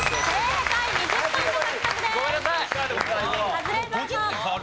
カズレーザーさん。